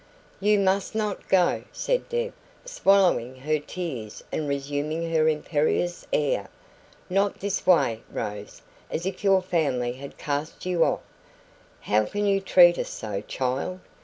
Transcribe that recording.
"You must NOT go," said Deb, swallowing her tears and resuming her imperious air. "Not this way, Rose, as if your family had cast you off. How can you treat us so, child?